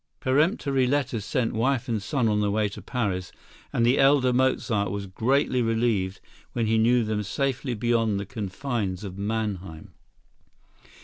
Peremptory letters sent wife and son on their way to Paris, and the elder Mozart was greatly relieved when he knew them safely beyond the confines of Mannheim.